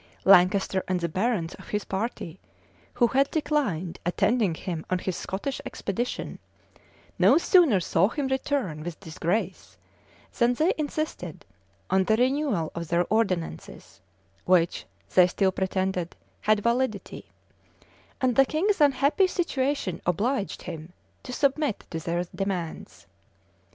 Lancaster and the barons of his party, who had declined attending him on his Scottish expedition, no sooner saw him return with disgrace, than they insisted on the renewal of their ordinances, which, they still pretended, had validity; and the king's unhappy situation obliged him to submit to their demands.